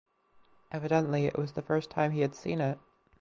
Evidently it was the first time he had seen it.